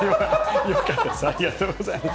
ありがとうございます。